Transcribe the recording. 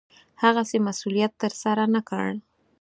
هغسې مسوولت ترسره نه کړ.